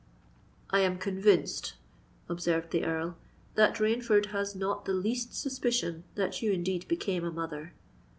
"I am convinced," observed the Earl, "that Rainford has not the least suspicion that you indeed became a mother.